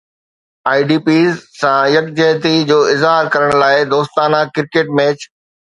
آئي D Ps سان يڪجهتي جو اظهار ڪرڻ لاءِ دوستانه ڪرڪيٽ ميچ